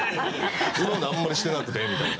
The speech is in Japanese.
今まであんまりしてなくてみたいな。